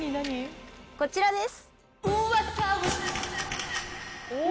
こちらです。